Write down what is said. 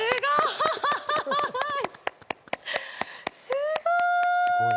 すごーい！